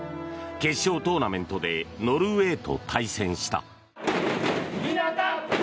決勝トーナメントでノルウェーと対戦した。